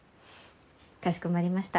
かしこまりました。